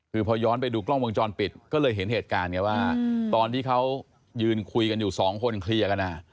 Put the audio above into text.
คือพอย้อนไปดูกล้องวงจรปิดก็เลยเห็นเหตุการณ์ไงว่าตอนที่เขายืนคุยกันอยู่สองคนเคลียร์กัน